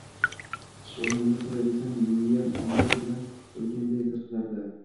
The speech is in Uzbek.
O`rnimdan turay desam miyam ombur bilan urganday zirqirardi